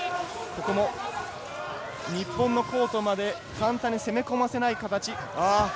日本のコートまで簡単に攻め込ませない形。